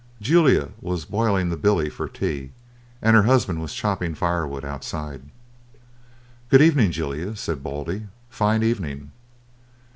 Julia was boiling the billy for tea, and her husband was chopping firewood outside. "Good evening, Julia," said Baldy; "fine evening."